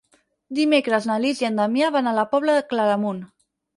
Dimecres na Lis i en Damià van a la Pobla de Claramunt.